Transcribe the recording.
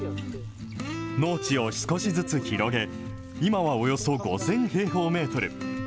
農地を少しずつ広げ、今はおよそ５０００平方メートル。